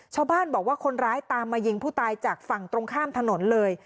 ชาวบ้านบอกว่าคนร้ายตามมายิงผู้ตายจากฝั่งตรงข้ามถนนเลย